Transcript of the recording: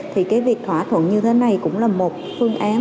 thì cái việc thỏa thuận như thế này cũng là một phương án